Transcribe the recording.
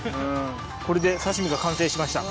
これで刺し身が完成しました。